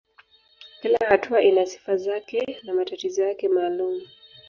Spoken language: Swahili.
Kila hatua ina sifa zake na matatizo yake maalumu.